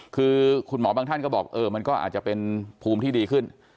คือคุณหมอบางท่านก็บอกเออมันก็อาจจะเป็นภูมิที่ดีขึ้น